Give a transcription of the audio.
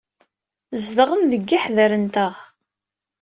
Zedɣen deg yiḥder-nteɣ.